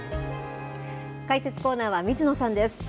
解説コーナーは、水野さんです。